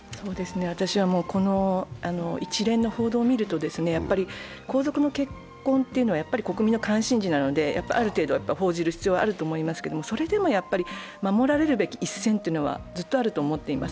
私はこの一連の報道を見ると、皇族の結婚というのは国民の関心事なのである程度は報道されるべきだと思いますがそれでもやっぱり守られるべき一線というのはずっとあると思っています。